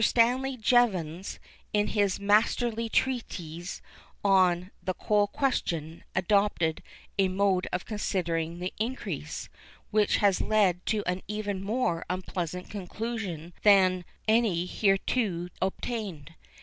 Stanley Jevons, in his masterly treatise on 'The Coal Question,' adopted a mode of considering the increase, which has led to an even more unpleasant conclusion than any hitherto obtained.